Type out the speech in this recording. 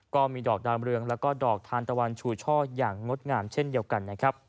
ก็มีดอกดามเรืองแล้วก็ดอกทานตะวันชูช่ออย่างงดงามเช่นเดียวกันนะครับ